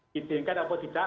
hingga apapun tidak